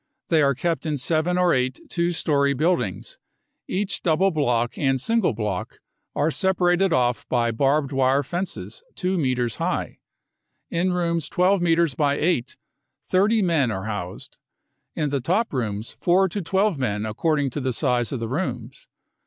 They are kept in seven or eight two storey buildings. Each double block and single block are separated off by barbed wire fences two metres high. In rooms 12 metres by 8, thirty men are housed ; in the top rooms four to twelve men according to the size of the rooms.